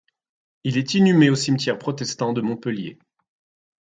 Il est inhumé au cimetière protestant de Montpellier.